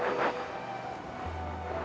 tolong kamu temani dulu tuhan amalin